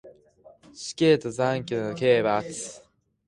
死刑と残虐な刑罰